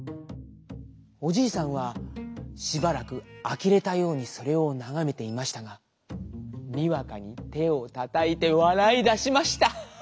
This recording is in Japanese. おじいさんはしばらくあきれたようにそれをながめていましたがにわかにてをたたいてわらいだしました。